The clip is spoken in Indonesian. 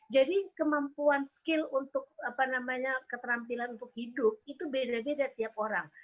jadi kemampuan skill untuk keterampilan hidup itu beda beda dari tiap orang